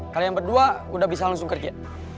kalian berdua udah bisa langsung kerja